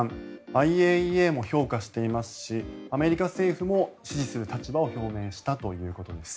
ＩＡＥＡも評価していますしアメリカ政府も支持する立場を表明したということです。